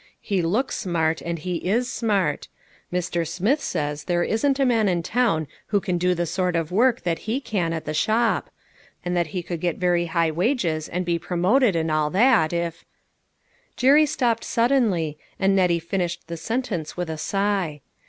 He looks smart, and he is smart. Mr. Smith says there isn't a man in town who can do the sort of work that he can at the shop, and that he could get very high wages and be promoted and all that, if" Jerry stopped suddenly, and Nettie finished the sentence with a sigh.